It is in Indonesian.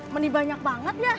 mending banyak banget ya